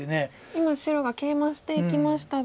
今白がケイマしていきましたが。